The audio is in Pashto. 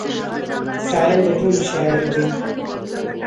سايل د ټولو شاعر دی.